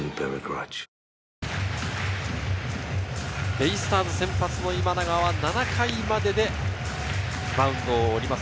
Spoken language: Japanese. ベイスターズ先発の今永は７回まででマウンドを降ります。